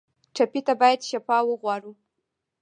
ټپي ته باید شفا وغواړو.